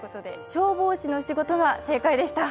消防士の仕事が正解でした。